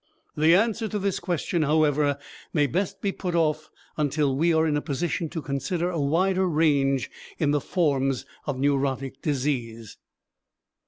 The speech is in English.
The answer to this question, however, may best be put off until we are in a position to consider a wider range in the forms of neurotic disease.